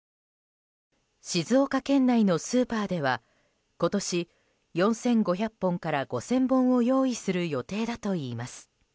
静岡県内のスーパーでは、今年４５００本から５０００本を用意する予定だといいます。